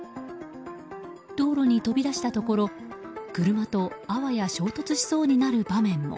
道路に飛び出したところ、車とあわや衝突しそうになる場面も。